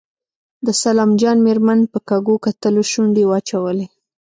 د سلام جان مېرمن په کږو کتلو شونډې واچولې.